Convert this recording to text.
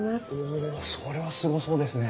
おそれはすごそうですね。